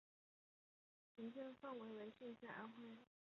行政范围为现在安徽省阜阳市和淮南市北部的凤台县。